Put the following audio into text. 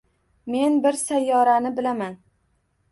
Men bir sayyorani bilaman